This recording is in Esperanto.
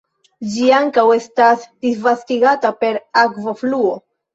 Ĝi ankaŭ estas disvastigita per akvofluo.